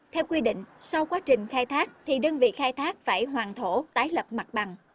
theo quy định sau quá trình khai thác thì đơn vị khai thác phải hoàn thổ tái lập mặt bằng